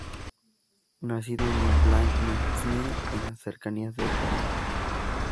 Nacido en Le Blanc-Mesnil, en las cercanías de París.